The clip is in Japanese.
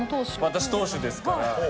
私党首ですから。